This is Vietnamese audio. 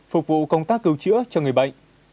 phục vụ công tác cứu chữa cho người bệnh